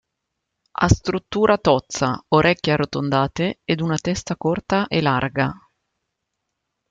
Ha struttura tozza, orecchie arrotondate ed una testa corta e larga.